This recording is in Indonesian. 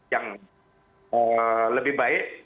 yang lebih baik